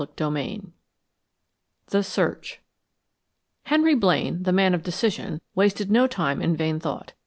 CHAPTER IV THE SEARCH Henry Blaine, the man of decision, wasted no time in vain thought.